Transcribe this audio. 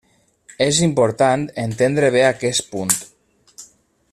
És important entendre bé aquest punt.